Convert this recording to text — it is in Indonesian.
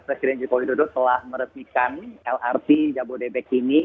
presiden joko widodo telah merepikan lrt jabodebek ini